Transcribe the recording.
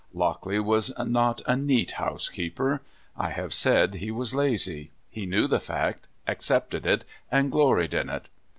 Lock ley was not a neat housekeeper. I have said he was lazy. He knew the fact, accepted it, and gloried in it.